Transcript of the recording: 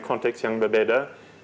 konteks yang berbeda